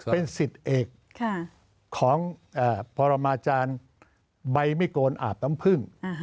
เป็นสิทธิ์เอกของพรมาจารย์ใบมิโกนอาบน้ำพึ่ง